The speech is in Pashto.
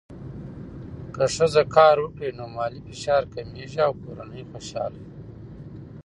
که ښځه کار وکړي، نو مالي فشار کمېږي او کورنۍ خوشحاله وي.